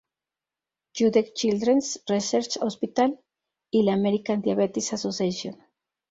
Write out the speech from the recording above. Jude Children's Research Hospital, y la American Diabetes Association.